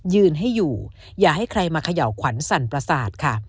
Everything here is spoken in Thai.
ยืนให้อยู่อย่าให้ใครมาเขย่าขวัญสั่นประสาทค่ะ